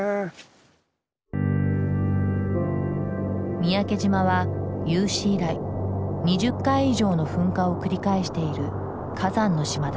三宅島は有史以来２０回以上の噴火を繰り返している火山の島だ。